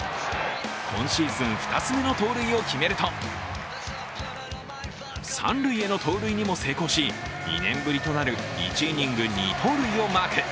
今シーズン２つ目の盗塁を決めると三塁への盗塁にも成功し、２年ぶりとなる１イニング２盗塁をマーク。